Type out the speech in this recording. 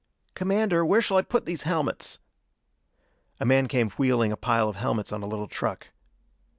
"Commander, where shall I put these helmets?" A man came wheeling a pile of helmets on a little truck.